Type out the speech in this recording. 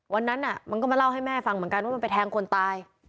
วันนั้นมันก็มาเล่าให้แม่ฟังเหมือนกันว่ามันไปแทงคนตาย